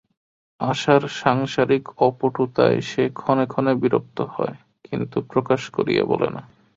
আশার সাংসারিক অপটুতায় সে ক্ষণে ক্ষণে বিরক্ত হয়, কিন্তু প্রকাশ করিয়া বলে না।